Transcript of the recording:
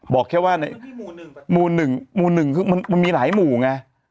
บอกแค่ว่ามูลหนึ่งมูลหนึ่งมันมีหลายหมู่ไง